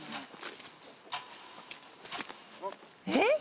えっ！